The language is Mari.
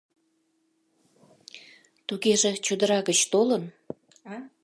— Тугеже, чодыра гыч толын.